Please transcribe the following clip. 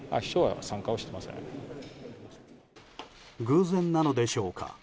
偶然なのでしょうか。